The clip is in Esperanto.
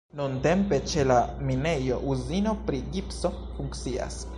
Nuntempe ĉe la minejo uzino pri gipso funkcias.